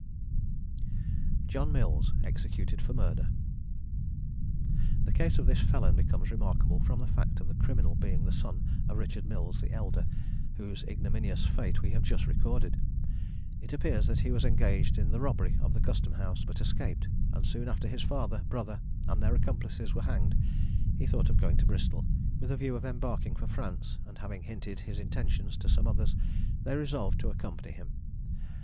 JOHN MILLS. EXECUTED FOR MURDER. The case of this felon becomes remarkable from the fact of the criminal being the son of Richard Mills the elder, whose ignominious fate we have just recorded. It appears that he was engaged in the robbery of the Custom house, but escaped; and soon after his father, brother, and their accomplices were hanged, he thought of going to Bristol, with a view of embarking for France; and having hinted his intentions to some others, they resolved to accompany him.